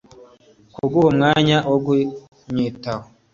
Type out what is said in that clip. Kuguha umwanya wo kunyitaho